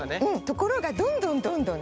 ところがどんどんどんどんね